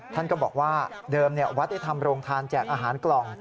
ท่านก็บอกว่าเดิมวัดได้ทำโรงทานแจกอาหารกล่อง